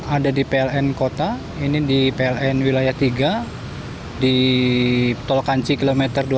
ada di pln kota ini di pln wilayah tiga di tol kanci kilometer dua puluh